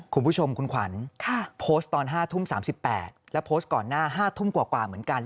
คุณผู้ชมคุณขวัญโพสต์ตอน๕ทุ่ม๓๘และโพสต์ก่อนหน้า๕ทุ่มกว่าเหมือนกัน